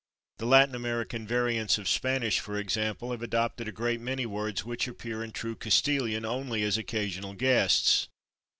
The Latin American variants of Spanish, for example, have adopted a great many words which appear in true Castilian only as occasional guests.